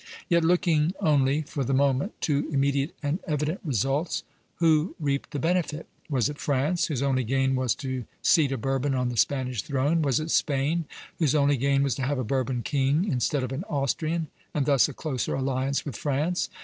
Yet looking only, for the moment, to immediate and evident results, who reaped the benefit? Was it France, whose only gain was to seat a Bourbon on the Spanish throne? Was it Spain, whose only gain was to have a Bourbon king instead of an Austrian, and thus a closer alliance with France?